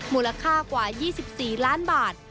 มูลค่ากว่า๒๔ล้านบาท